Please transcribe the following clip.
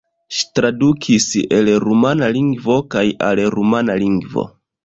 Ŝi tradukis el rumana lingvo kaj al rumana lingvo.